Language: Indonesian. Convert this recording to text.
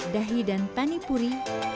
dahi dan pani puri